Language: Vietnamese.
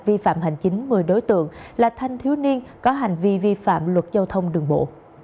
vi phạm hành chính một mươi đối tượng là thanh thiếu niên có hành vi vi phạm luật giao thông đường bộ